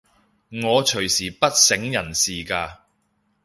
我隨時不省人事㗎